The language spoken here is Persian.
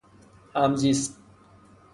همزیست